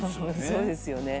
そうですよね。